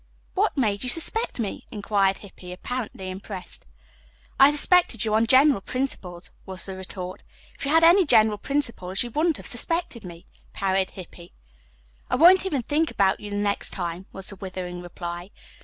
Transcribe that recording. "What made you suspect me?" inquired Hippy, apparently impressed. "I suspected you on general principles," was the retort. "If you had had any general principles you wouldn't have suspected me," parried Hippy. "I won't even think about you the next time," was the withering reply.